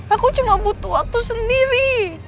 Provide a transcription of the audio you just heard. aku cuma butuh waktu sendiri